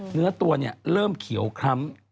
เนื้อตัวเริ่มเขียวคล้ำ